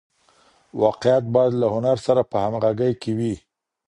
واقعیت باید له هنر سره په همغږۍ کي وي.